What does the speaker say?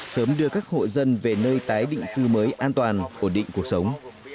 sớm đưa các hộ dân về nơi tái định cư mới an toàn ổn định cuộc sống